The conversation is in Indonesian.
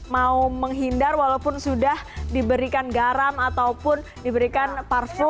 mau menghindar walaupun sudah diberikan garam ataupun diberikan parfum